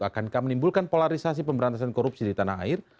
akankah menimbulkan polarisasi pemberantasan korupsi di tanah air